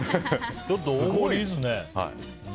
ちょっと大森いいですね。